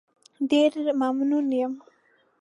ډېر ممنون یم.